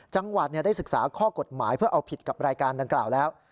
จังหวัดได้ศึกษาข้อกฎหมายเพื่อเอาผิดกับรายการดังกล่าวแล้ว